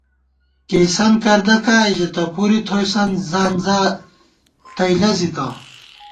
کېئیسَن کردہ کائی ژېتہ، پُرے تھوئیسَن ځِانزا تئ لَزِتہ